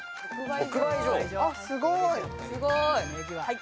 すごい。